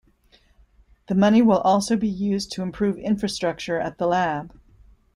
The money will also be used to improve infrastructure at the lab.